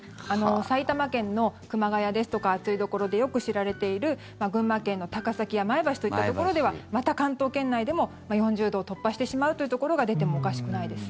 埼玉県の熊谷ですとか暑いどころでよく知られている群馬県の高崎や前橋といったところではまた関東県内でも４０度を突破してしまうというところが出てもおかしくないです。